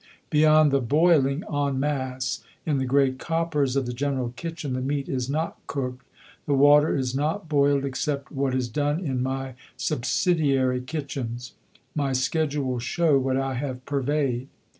Beyond the boiling en masse in the great coppers of the general kitchen the meat is not cooked, the water is not boiled except what is done in my subsidiary kitchens. My schedule will show what I have purveyed.